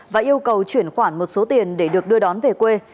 và yêu cầu chuyển khoản một số tiền để được đưa đón về quê